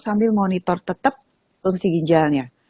sambil monitor tetap fungsi ginjalnya